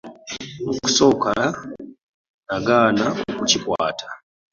Mu kusooka nagaana okukikwata .